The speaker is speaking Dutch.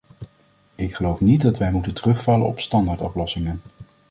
Ik geloof niet dat wij moeten terugvallen op standaardoplossingen.